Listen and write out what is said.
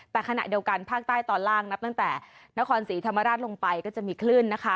แต่ขณะเดียวกันภาคใต้ตอนล่างนับตั้งแต่นครศรีธรรมราชลงไปก็จะมีคลื่นนะคะ